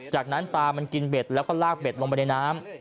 จากนั้นปลามันกินเบ็ดแล้วก็ลากเบ็ดลงไปในน้ำ